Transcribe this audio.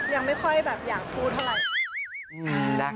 ยังไม่ค่อยแบบอยากพูดเท่าไหร่